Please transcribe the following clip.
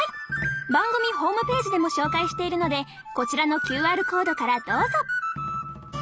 番組ホームページでも紹介しているのでこちらのＱＲコードからどうぞ！